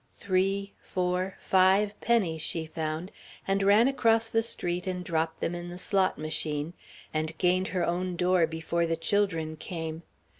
Three, four, five pennies she found and ran across the street and dropped them in the slot machine, and gained her own door before the children came.